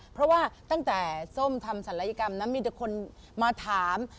เพราะว่าตั้งแต่ส้มทำศัลยกรรมนั้นมีแต่คนมาถาม